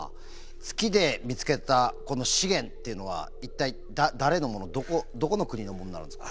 月で見つけたこの資源っていうのは一体誰のものどこの国のものになるんですか？